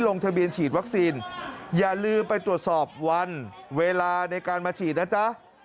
ลงทะเบียนฉีดวัคซีนอย่าลืมไปตรวจสอบวันเวลาในการมาฉีดนะจ๊ะ